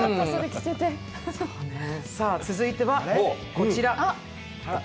続いてはこちら。